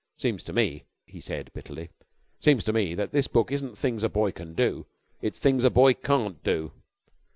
Seems to me," he said bitterly, "seems to me this book isn't 'Things a Boy Can Do.' It's 'Things a Boy Can't Do.'"